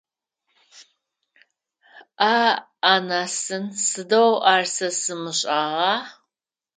Аӏ-анасын, сыдэу ар сэ сымышӏагъа!